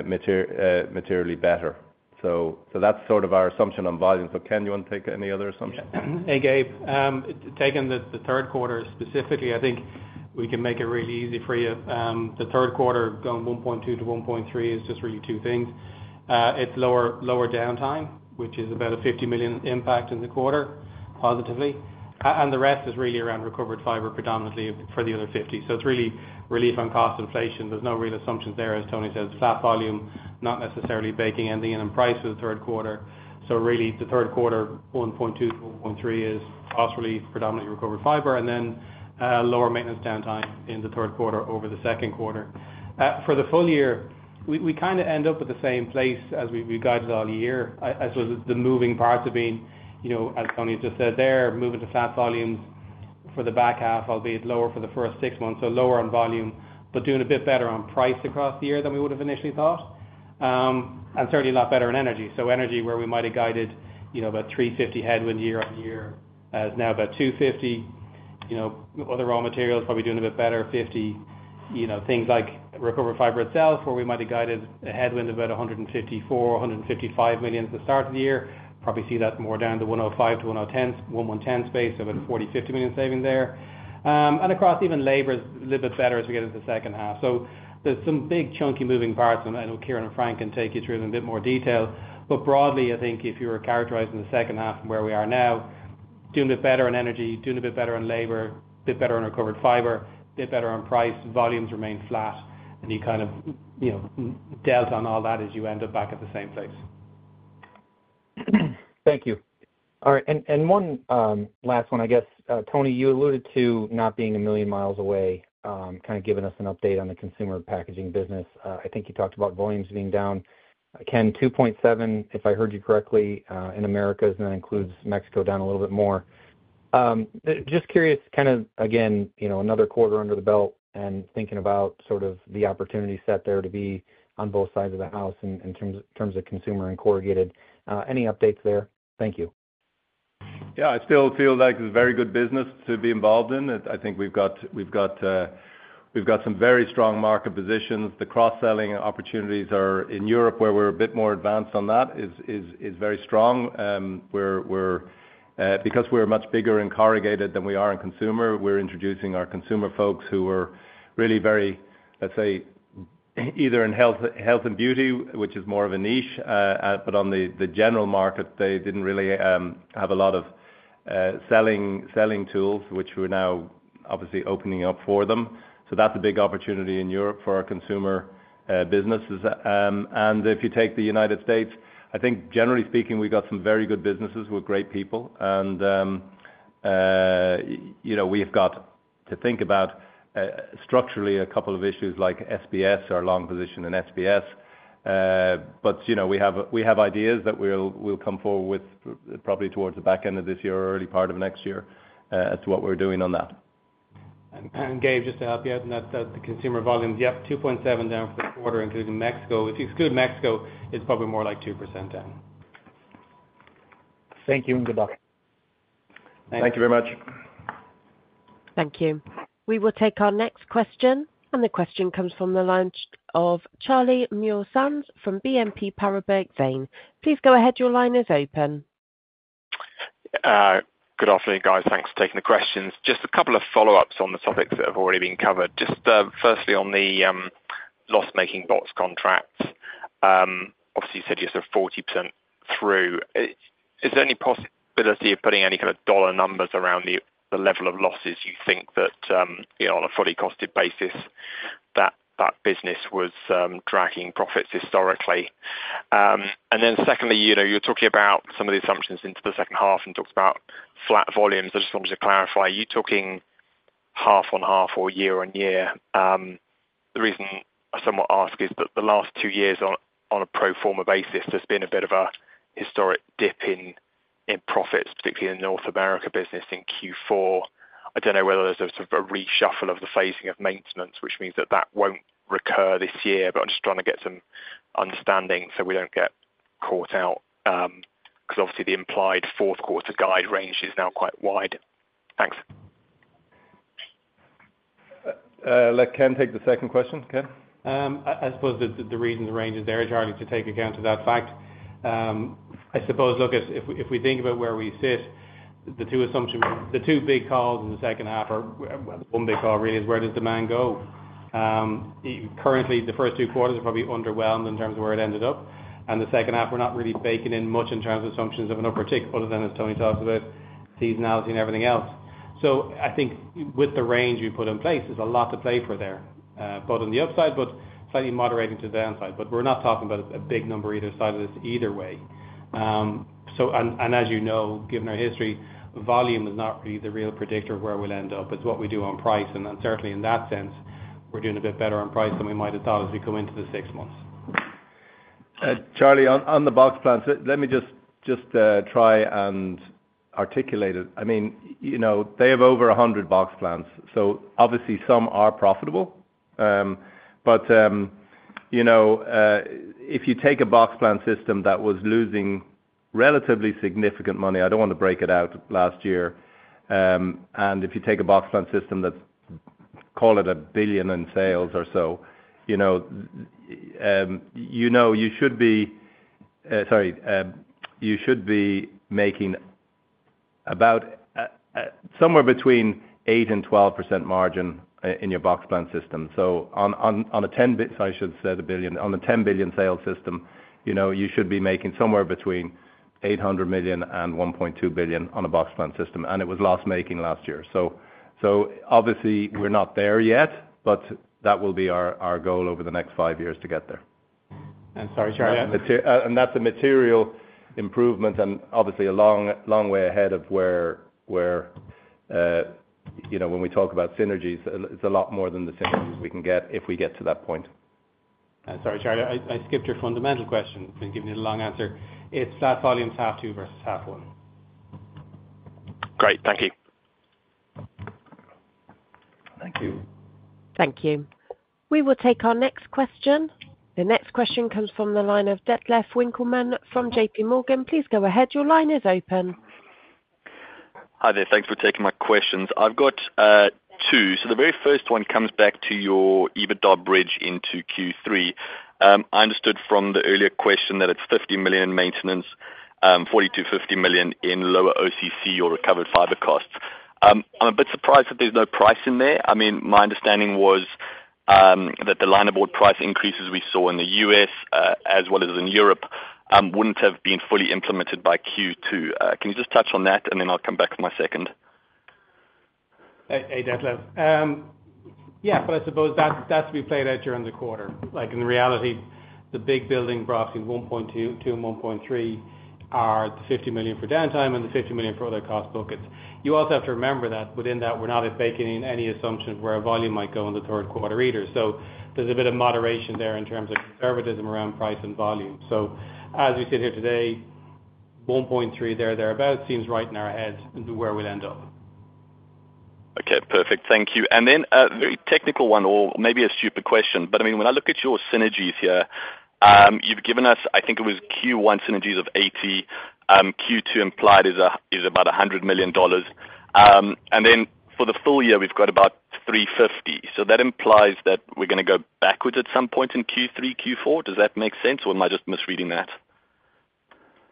materially better. That's sort of our assumption on volume. Ken, you want to take any other assumption? Hey, Gabe. Taking the third quarter specifically, I think we can make it really easy for you. The third quarter going $1.2 billion-$1.3 billion is just really two things. It's lower downtime, which is about a $50 million impact in the quarter positively. And the rest is really around recovered fiber predominantly for the other $50 million. So it's really relief on cost inflation. There's no real assumptions there, as Tony says. Flat volume, not necessarily baking anything in price for the third quarter. So really, the third quarter, $1.2 billion-$1.3 billion is cost relief, predominantly recovered fiber, and then lower maintenance downtime in the third quarter over the second quarter. For the full year, we kind of end up at the same place as we guided all year. I suppose the moving parts have been, as Tony just said, they're moving to flat volumes for the back half, albeit lower for the first six months. So lower on volume, but doing a bit better on price across the year than we would have initially thought. And certainly a lot better in energy. Energy, where we might have guided about a $350 million headwind year on year, is now about $250 million. Other raw materials probably doing a bit better, $50 million. Things like recovered fiber itself, where we might have guided a headwind of about $154 million-$155 million at the start of the year, probably see that more down to the $105 million-$110 million space, about a $40 million-$50 million saving there. And across even labor, a little bit better as we get into the second half. So there's some big chunky moving parts, and I know Ciaran and Frank can take you through them in a bit more detail. Broadly, I think if you were characterizing the second half from where we are now, doing a bit better on energy, doing a bit better on labor, a bit better on recovered fiber, a bit better on price, volumes remain flat, and you kind of dealt on all that as you end up back at the same place. Thank you. All right. And one last one, I guess. Tony, you alluded to not being a million miles away, kind of giving us an update on the consumer packaging business. I think you talked about volumes being down. Ken, 2.7, if I heard you correctly, in America, and that includes Mexico down a little bit more. Just curious, kind of again, another quarter under the belt and thinking about sort of the opportunity set there to be on both sides of the house in terms of consumer and corrugated. Any updates there? Thank you. Yeah. I still feel like it's very good business to be involved in. I think we've got some very strong market positions. The cross-selling opportunities in Europe, where we're a bit more advanced on that, is very strong. Because we're much bigger in corrugated than we are in consumer, we're introducing our consumer folks who are really very, let's say, either in health and beauty, which is more of a niche, but on the general market, they didn't really have a lot of selling tools, which we're now obviously opening up for them. So that's a big opportunity in Europe for our consumer businesses. And if you take the United States, I think generally speaking, we've got some very good businesses with great people. We have got to think about structurally a couple of issues like SBS, our long position in SBS. But we have ideas that we'll come forward with probably towards the back end of this year or early part of next year as to what we're doing on that. Gabe, just to help you out, the consumer volumes, yep, 2.7% down for the quarter, including Mexico. If you exclude Mexico, it's probably more like 2% down. Thank you and good luck. Thank you very much. Thank you. We will take our next question. The question comes from the line of Charlie Muir-Sands from BNP Paribas Exane. Please go ahead. Your line is open. Good afternoon, guys. Thanks for taking the questions. Just a couple of follow-ups on the topics that have already been covered. Just firstly on the loss-making box contracts. Obviously, you said you're sort of 40% through. Is there any possibility of putting any kind of dollar numbers around the level of losses you think that, on a fully costed basis, that business was dragging profits historically? And then secondly, you're talking about some of the assumptions into the second half and talked about flat volumes. I just wanted to clarify. Are you talking half on half or year on year? The reason I somewhat ask is that the last two years, on a pro forma basis, there's been a bit of a historic dip in profits, particularly in the North America business in Q4. I don't know whether there's a reshuffle of the phasing of maintenance, which means that that won't recur this year, but I'm just trying to get some understanding so we don't get caught out. Because obviously, the implied fourth quarter guide range is now quite wide. Thanks. Let Ken take the second question. Ken? I suppose the reason the range is there, Charlie, to take account of that fact. I suppose, look, if we think about where we sit, the two big calls in the second half are one big call really is where does demand go? Currently, the first two quarters are probably underwhelmed in terms of where it ended up. The second half, we're not really baking in much in terms of assumptions of an uptick other than as Tony talks about seasonality and everything else. I think with the range we put in place, there's a lot to play for there. Both on the upside, but slightly moderating to the downside. We're not talking about a big number either side of this either way. As you know, given our history, volume is not really the real predictor of where we'll end up. It's what we do on price. Certainly, in that sense, we're doing a bit better on price than we might have thought as we come into the six months. Charlie, on the box plants, let me just try and articulate it. I mean, they have over 100 box plants. Obviously, some are profitable. If you take a box plant system that was losing relatively significant money, I do not want to break it out, last year. If you take a box plant system that is, call it $1 billion in sales or so, you should be, sorry, you should be making somewhere between 8%-12% margin in your box plant system. On a $10 billion sales system, you should be making somewhere between $800 million and $1.2 billion on a box plant system. It was loss-making last year. Obviously, we are not there yet, but that will be our goal over the next five years to get there. That's a material improvement and obviously a long way ahead of where. When we talk about synergies, it's a lot more than the synergies we can get if we get to that point. Sorry, Charlie, I skipped your fundamental question and gave you the long answer. It's flat volumes, half two versus half one. Great. Thank you. Thank you. Thank you. We will take our next question. The next question comes from the line of Detlef Winckelmann from JPMorgan. Please go ahead. Your line is open. Hi there. Thanks for taking my questions. I've got two. The very first one comes back to your EBITDA bridge into Q3. I understood from the earlier question that it's $50 million in maintenance, $40 million-$50 million in lower OCC or recovered fiber costs. I'm a bit surprised that there's no price in there. I mean, my understanding was that the line of board price increases we saw in the U.S. as well as in Europe wouldn't have been fully implemented by Q2. Can you just touch on that, and then I'll come back for my second? Hey, Detlef. Yeah, but I suppose that's what we played at during the quarter. In reality, the big building props in $1.2 billion and $1.3 billion are the $50 million for downtime and the $50 million for other cost buckets. You also have to remember that within that, we're not baking in any assumptions where volume might go in the third quarter either. There's a bit of moderation there in terms of conservatism around price and volume. As we sit here today, $1.3 billion, thereabout, seems right in our head where we'll end up. Okay. Perfect. Thank you. And then a very technical one or maybe a stupid question. But I mean, when I look at your synergies here, you've given us, I think it was Q1 synergies of 80. Q2 implied is about $100 million. And then for the full year, we've got about $350 million. So that implies that we're going to go backwards at some point in Q3, Q4. Does that make sense, or am I just misreading that?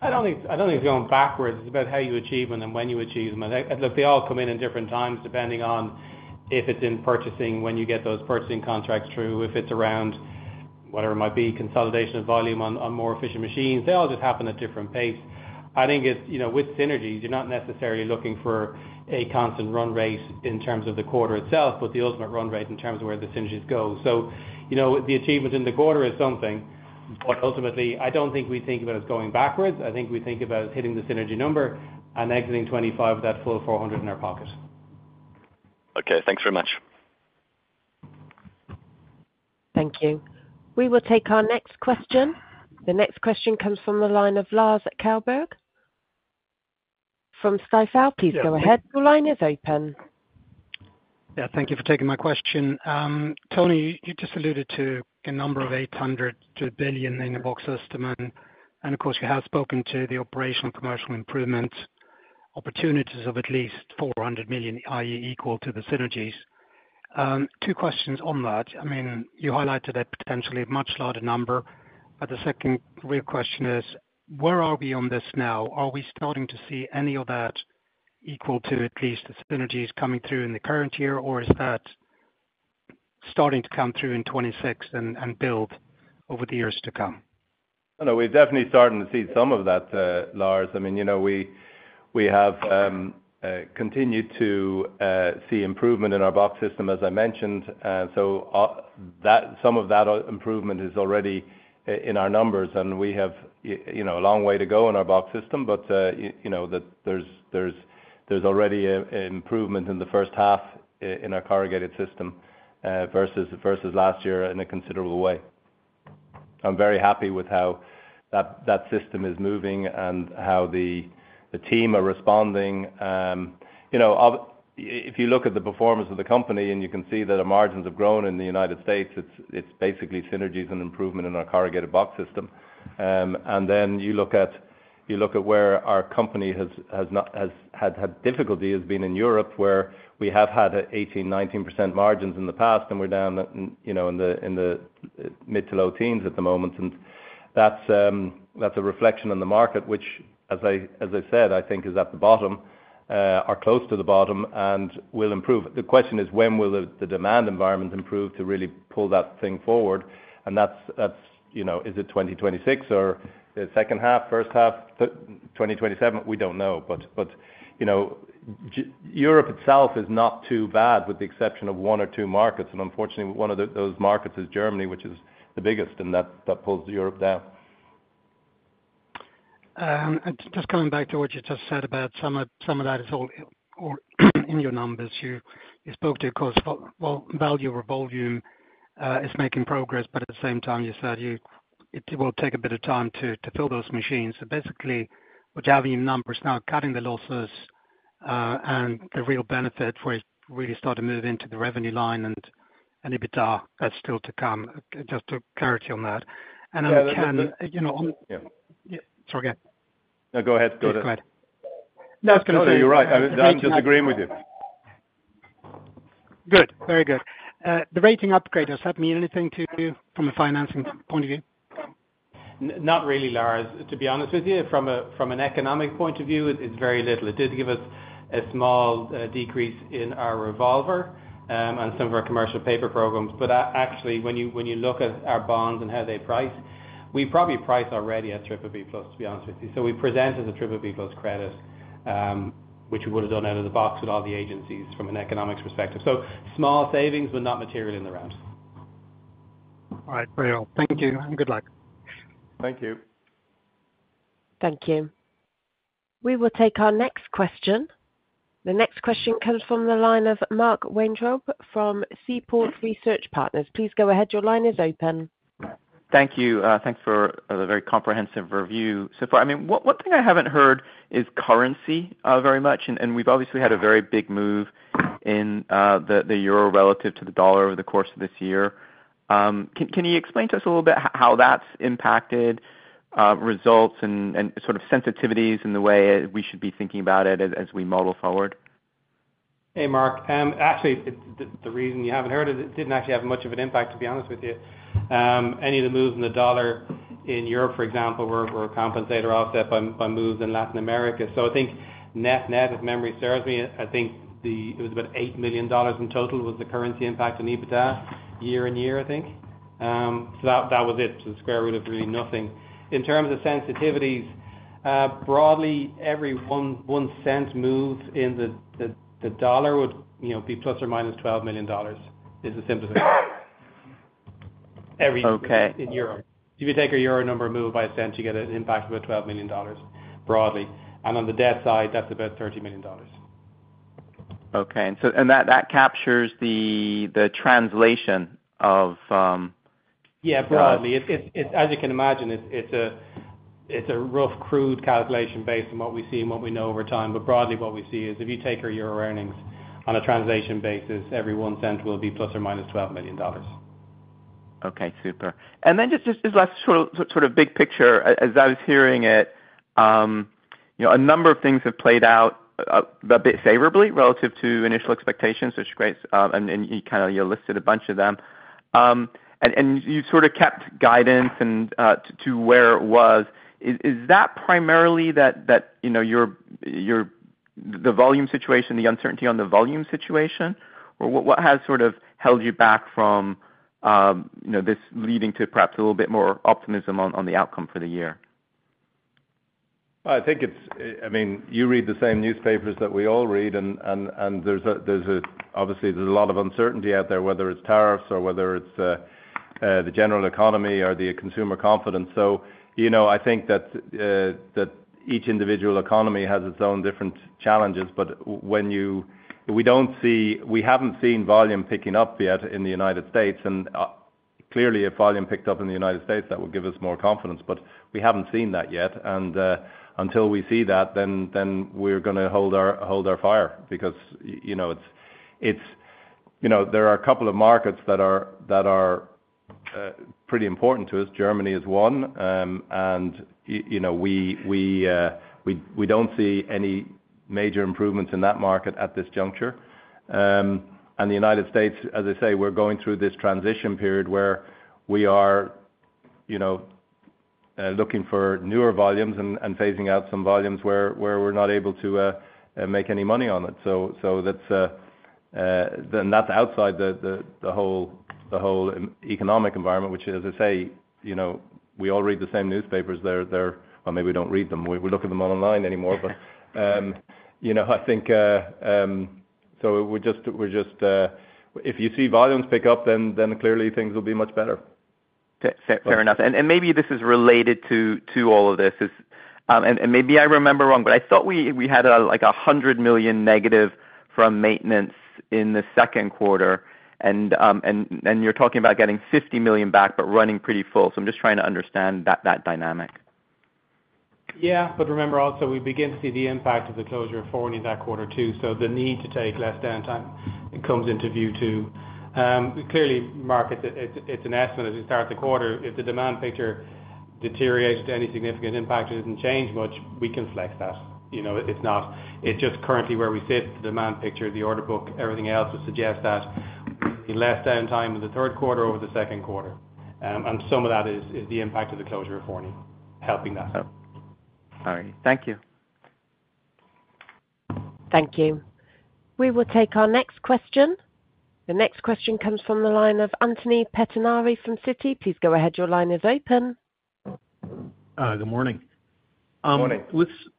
I don't think it's going backwards. It's about how you achieve them and when you achieve them. Look, they all come in at different times depending on if it's in purchasing, when you get those purchasing contracts through, if it's around, whatever it might be, consolidation of volume on more efficient machines. They all just happen at a different pace. I think with synergies, you're not necessarily looking for a constant run rate in terms of the quarter itself, but the ultimate run rate in terms of where the synergies go. The achievement in the quarter is something, but ultimately, I don't think we think about it as going backwards. I think we think about hitting the synergy number and exiting 2025 with that full $400 million in our pocket. Okay. Thanks very much. Thank you. We will take our next question. The next question comes from the line of Lars Kjellberg from Stifel. Please go ahead. Your line is open. Yeah. Thank you for taking my question. Tony, you just alluded to a number of $800 million-$1 billion in a box system. And of course, you have spoken to the operational commercial improvement opportunities of at least $400 million, i.e., equal to the synergies. Two questions on that. I mean, you highlighted a potentially much larger number. The second real question is, where are we on this now? Are we starting to see any of that equal to at least the synergies coming through in the current year, or is that starting to come through in 2026 and build over the years to come? No, we're definitely starting to see some of that, Lars. I mean, we have continued to see improvement in our box system, as I mentioned. Some of that improvement is already in our numbers, and we have a long way to go in our box system. There's already an improvement in the first half in our corrugated system versus last year in a considerable way. I'm very happy with how that system is moving and how the team are responding. If you look at the performance of the company, you can see that our margins have grown in the United States, it's basically synergies and improvement in our corrugated box system. You look at where our company has had difficulty, it has been in Europe, where we have had 18%-19% margins in the past, and we're down in the mid to low teens at the moment. That's a reflection on the market, which, as I said, I think is at the bottom, or close to the bottom, and will improve. The question is, when will the demand environment improve to really pull that thing forward? Is it 2026 or the second half, first half, 2027? We don't know. Europe itself is not too bad with the exception of one or two markets. Unfortunately, one of those markets is Germany, which is the biggest, and that pulls Europe down. Just coming back to what you just said about some of that is all in your numbers. You spoke to, of course, value or volume is making progress, but at the same time, you said it will take a bit of time to fill those machines. Basically, with the avenue numbers now, cutting the losses. The real benefit where you really start to move into the revenue line and EBITDA, that's still to come. Just to clarity on that. And Ken. No, go ahead. Go ahead. You're right. I'm just agreeing with you. Good. Very good. The rating upgrade, does that mean anything to you from a financing point of view? Not really, Lars. To be honest with you, from an economic point of view, it's very little. It did give us a small decrease in our revolver and some of our commercial paper programs. Actually, when you look at our bonds and how they price, we probably price already at BBB+, to be honest with you. We present as a BBB+ credit, which we would have done out of the box with all the agencies from an economics perspective. Small savings, but not material in the round. All right. Very well. Thank you, and good luck. Thank you. Thank you. We will take our next question. The next question comes from the line of Mark Weintraub from Seaport Research Partners. Please go ahead. Your line is open. Thank you. Thanks for the very comprehensive review. So far, I mean, one thing I have not heard is currency very much. We have obviously had a very big move in the euro relative to the dollar over the course of this year. Can you explain to us a little bit how that has impacted results and sort of sensitivities in the way we should be thinking about it as we model forward? Hey, Mark. Actually, the reason you haven't heard it, it didn't actually have much of an impact, to be honest with you. Any of the moves in the dollar in Europe, for example, were compensated or offset by moves in Latin America. I think net net, if memory serves me, I think it was about $8 million in total was the currency impact on EBITDA year in year, I think. That was it. The square root of really nothing. In terms of sensitivities, broadly, every one cent move in the dollar would be ±$12 million. It's as simple as that. Every cent in Europe. If you take a euro number move by a cent, you get an impact of about $12 million broadly. On the debt side, that's about $30 million. Okay. That captures the translation of. Yeah, broadly. As you can imagine, it's a rough, crude calculation based on what we see and what we know over time. Broadly, what we see is if you take our euro earnings on a translation basis, every one cent will be ±$12 million. Okay. Super. And then just this last sort of big picture, as I was hearing it. A number of things have played out a bit favorably relative to initial expectations, which is great. And you kind of listed a bunch of them. And you've sort of kept guidance to where it was. Is that primarily that, the volume situation, the uncertainty on the volume situation, or what has sort of held you back from this leading to perhaps a little bit more optimism on the outcome for the year? I mean, you read the same newspapers that we all read, and obviously, there's a lot of uncertainty out there, whether it's tariffs or whether it's the general economy or the consumer confidence. I think that each individual economy has its own different challenges. We haven't seen volume picking up yet in the United States. Clearly, if volume picked up in the United States, that would give us more confidence. We haven't seen that yet, and until we see that, then we're going to hold our fire because there are a couple of markets that are pretty important to us. Germany is one. We don't see any major improvements in that market at this juncture. The United States, as I say, we're going through this transition period where we are looking for newer volumes and phasing out some volumes where we're not able to make any money on it. That's outside the whole economic environment, which, as I say, we all read the same newspapers there. Maybe we don't read them, we look at them online anymore. I think if you see volumes pick up, then clearly things will be much better. Fair enough. Maybe this is related to all of this. Maybe I remember wrong, but I thought we had like a $100 million negative from maintenance in the second quarter. You're talking about getting $50 million back but running pretty full. I'm just trying to understand that dynamic. Yeah. Remember also, we begin to see the impact of the closure of 40 in that quarter too. The need to take less downtime comes into view too. Clearly, Mark, it's an estimate as we start the quarter. If the demand picture deteriorates to any significant impact or does not change much, we can flex that. It's just currently where we sit, the demand picture, the order book, everything else would suggest that. Less downtime in the third quarter over the second quarter. Some of that is the impact of the closure of 40 helping that. All right. Thank you. Thank you. We will take our next question. The next question comes from the line of Anthony Pettinari from Citi. Please go ahead. Your line is open. Good morning. Good morning.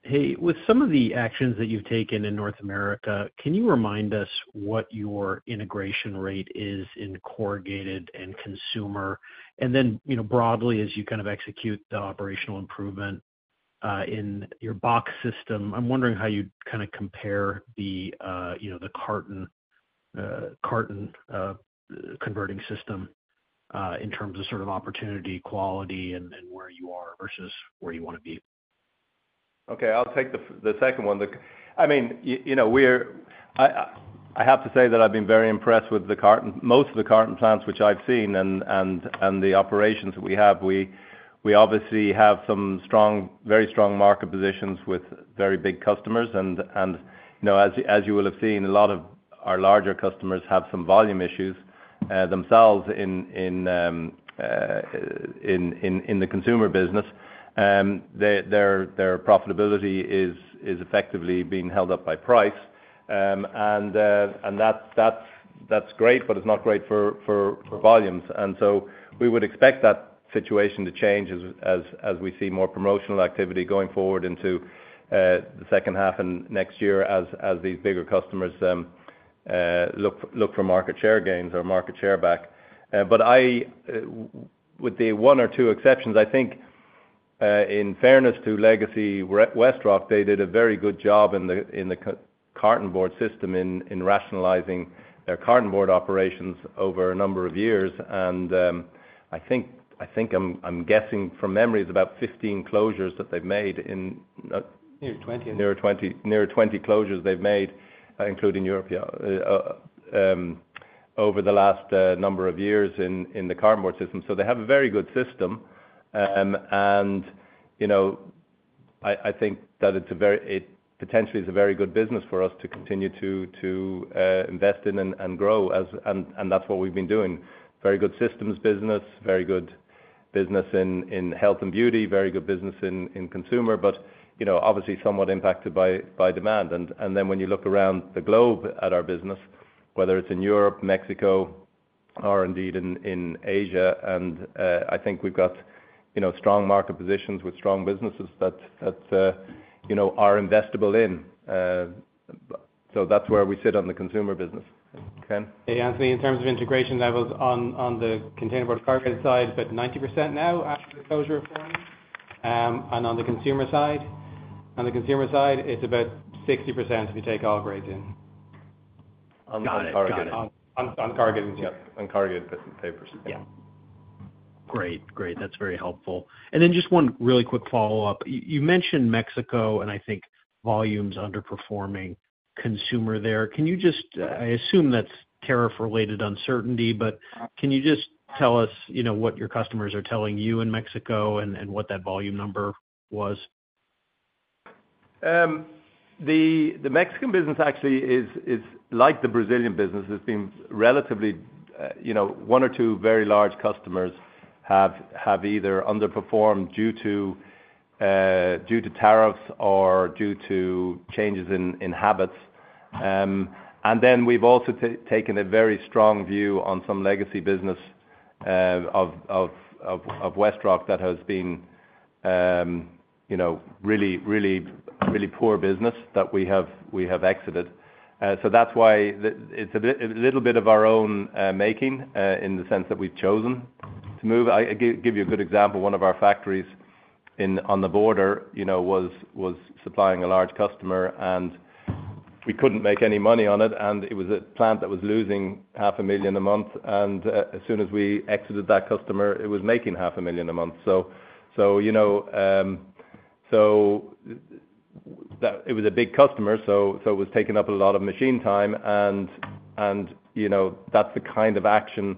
Hey. With some of the actions that you've taken in North America, can you remind us what your integration rate is in corrugated and consumer? And then broadly, as you kind of execute the operational improvement. In your box system, I'm wondering how you'd kind of compare the carton converting system in terms of sort of opportunity, quality, and where you are versus where you want to be. Okay. I'll take the second one. I mean, I have to say that I've been very impressed with most of the carton plants, which I've seen, and the operations that we have. We obviously have some very strong market positions with very big customers. As you will have seen, a lot of our larger customers have some volume issues themselves in the consumer business. Their profitability is effectively being held up by price. That's great, but it's not great for volumes. We would expect that situation to change as we see more promotional activity going forward into the second half and next year as these bigger customers look for market share gains or market share back. With the one or two exceptions, I think in fairness to Legacy WestRock, they did a very good job in the carton board system in rationalizing their carton board operations over a number of years. I think, I'm guessing from memory, it's about 15 closures that they've made. Near 20. Near 20 closures they've made, including Europe, over the last number of years in the carton board system. They have a very good system. I think that it potentially is a very good business for us to continue to invest in and grow, and that's what we've been doing. Very good systems business, very good business in health and beauty, very good business in consumer, but obviously somewhat impacted by demand. When you look around the globe at our business, whether it's in Europe, Mexico, or indeed in Asia, I think we've got strong market positions with strong businesses that are investable in. That's where we sit on the consumer business. Ken? Hey, Anthony. In terms of integrations, I was on the container board corrugated side, but 90% now after the closure of 40. On the consumer side, on the consumer side, it's about 60% if you take all grades in. On the corrugated. On corrugated, yeah. On corrugated papers. Yeah. Great. Great. That's very helpful. Then just one really quick follow-up. You mentioned Mexico, and I think volume's underperforming consumer there. Can you just, I assume that's tariff-related uncertainty, but can you just tell us what your customers are telling you in Mexico and what that volume number was? The Mexican business actually is like the Brazilian business. It's been relatively. One or two very large customers have either underperformed due to tariffs or due to changes in habits. Then we've also taken a very strong view on some legacy business of WestRock that has been really, really poor business that we have exited. That's why it's a little bit of our own making in the sense that we've chosen to move. I'll give you a good example. One of our factories on the border was supplying a large customer, and we couldn't make any money on it. It was a plant that was losing $500,000 a month, and as soon as we exited that customer, it was making $500,000 a month. It was a big customer, so it was taking up a lot of machine time. That's the kind of action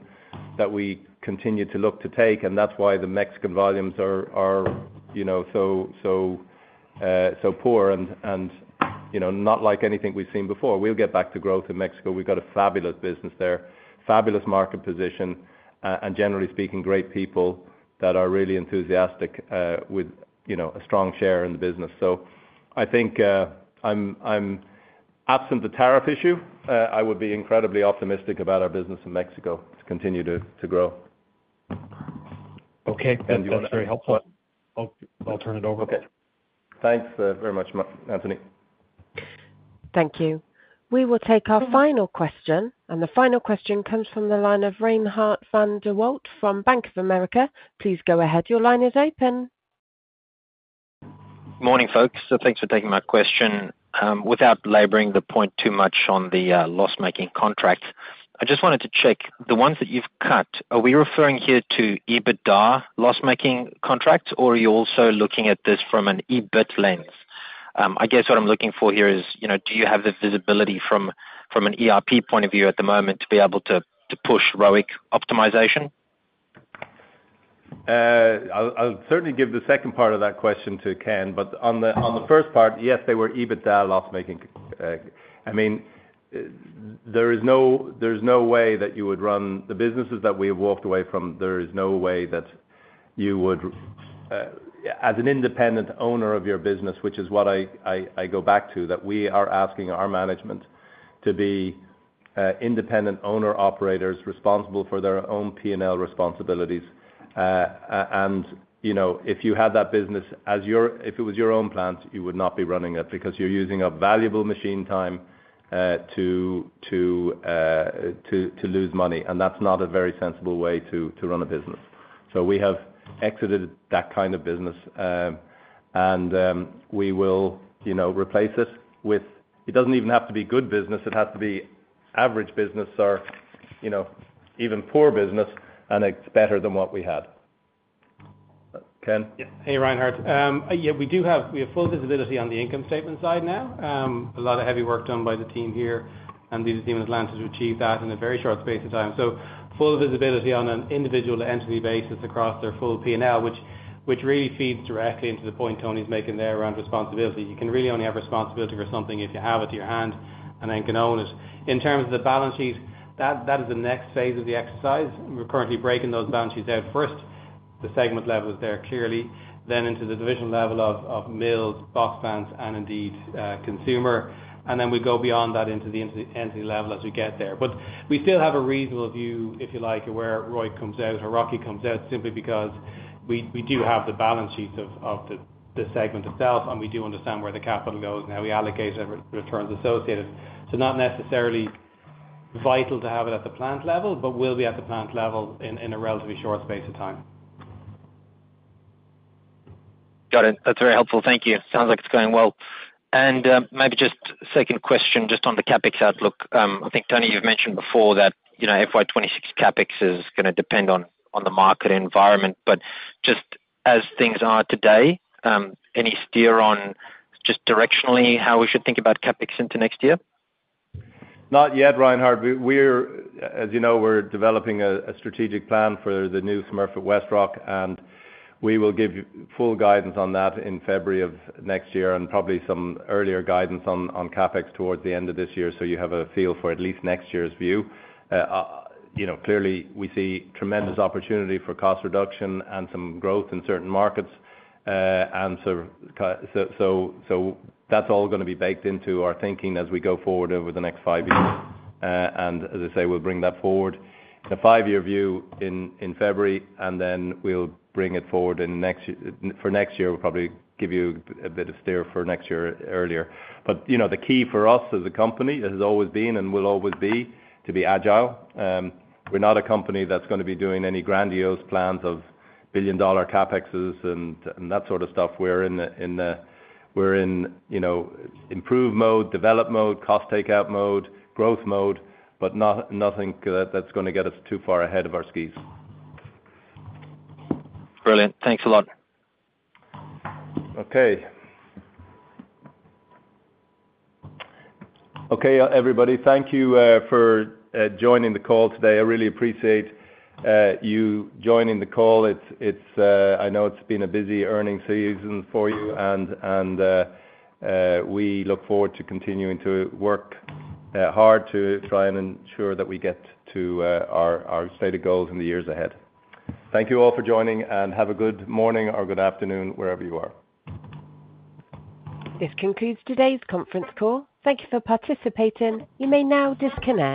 that we continue to look to take. That's why the Mexican volumes are so poor and not like anything we've seen before. We'll get back to growth in Mexico. We've got a fabulous business there, fabulous market position, and generally speaking, great people that are really enthusiastic with a strong share in the business. I think absent the tariff issue, I would be incredibly optimistic about our business in Mexico to continue to grow. Okay. That's very helpful. I'll turn it over. Okay. Thanks very much, Anthony. Thank you. We will take our final question. The final question comes from the line of Reinhardt van der Walt from Bank of America. Please go ahead. Your line is open. Morning, folks. Thanks for taking my question. Without laboring the point too much on the loss-making contracts, I just wanted to check the ones that you've cut. Are we referring here to EBITDA loss-making contracts, or are you also looking at this from an EBIT lens? I guess what I'm looking for here is, do you have the visibility from an ERP point of view at the moment to be able to push ROIC optimization? I'll certainly give the second part of that question to Ken. On the first part, yes, they were EBITDA loss-making. I mean, there is no way that you would run the businesses that we have walked away from. There is no way that you would. As an independent owner of your business, which is what I go back to, that we are asking our management to be. Independent owner-operators responsible for their own P&L responsibilities. If you had that business as your—if it was your own plant, you would not be running it because you're using up valuable machine time to lose money. That's not a very sensible way to run a business. We have exited that kind of business. We will replace it with—it does not even have to be good business. It has to be average business or even poor business, and it's better than what we had. Ken? Yeah. Hey, Reinhardt. Yeah, we have full visibility on the income statement side now. A lot of heavy work done by the team here, and the team in Atlanta to achieve that in a very short space of time. Full visibility on an individual entity basis across their full P&L, which really feeds directly into the point Tony's making there around responsibility. You can really only have responsibility for something if you have it to your hand and then can own it. In terms of the balance sheet, that is the next phase of the exercise. We're currently breaking those balance sheets out first, the segment levels there clearly, then into the division level of mills, box plants, and indeed consumer. We go beyond that into the entity level as we get there. We still have a reasonable view, if you like, where ROIC comes out or ROCI comes out simply because we do have the balance sheets of the segment itself, and we do understand where the capital goes, and how we allocate returns associated. Not necessarily vital to have it at the plant level, but we'll be at the plant level in a relatively short space of time. Got it. That is very helpful. Thank you. Sounds like it is going well. Maybe just a second question just on the CapEx outlook. I think, Tony, you have mentioned before that FY2026 CapEx is going to depend on the market environment. Just as things are today, any steer on just directionally how we should think about CapEx into next year? Not yet, Reinhardt. As you know, we're developing a strategic plan for the new Smurfit Westrock. We will give full guidance on that in February of next year and probably some earlier guidance on CapEx towards the end of this year so you have a feel for at least next year's view. Clearly, we see tremendous opportunity for cost reduction and some growth in certain markets. That is all going to be baked into our thinking as we go forward over the next five years. As I say, we'll bring that forward in a five-year view in February, and then we'll bring it forward for next year. We'll probably give you a bit of steer for next year earlier. The key for us as a company has always been and will always be to be agile. We're not a company that's going to be doing any grandiose plans of billion-dollar CapExes and that sort of stuff. We're in improve mode, develop mode, cost takeout mode, growth mode, but nothing that's going to get us too far ahead of our skis. Brilliant. Thanks a lot. Okay. Okay, everybody. Thank you for joining the call today. I really appreciate you joining the call. I know it's been a busy earning season for you, and we look forward to continuing to work hard to try and ensure that we get to our stated goals in the years ahead. Thank you all for joining and have a good morning or good afternoon wherever you are. This concludes today's conference call. Thank you for participating. You may now disconnect.